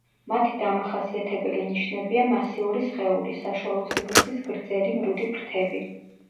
მათი დამახასიათებელი ნიშნებია მასიური სხეული, საშუალო სიგრძის გრძელი მრუდი ფრთები.